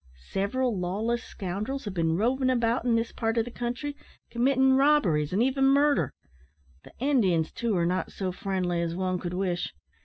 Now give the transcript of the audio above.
Several lawless scoundrels have been roving about in this part of the country committing robberies and even murder. The Indians, too, are not so friendly as one could wish.